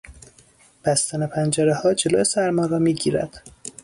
بستن پنجرهها جلو سرما را میگیرد.